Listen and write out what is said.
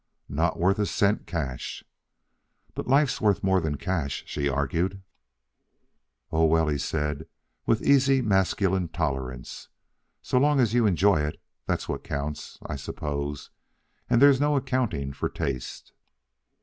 "Not worth a cent cash." "But life's worth more than cash," she argued. "Oh, well," he said, with easy masculine tolerance, "so long as you enjoy it. That's what counts, I suppose; and there's no accounting for taste."